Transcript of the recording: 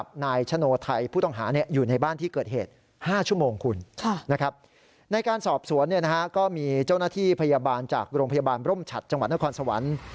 พยาบาลร่มฉัดจังหวัดนครสวรรค์